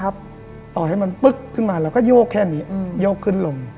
ต่อให้มันปึ๊กขึ้นมาเราก็โยกแค่นี้โยกขึ้นลง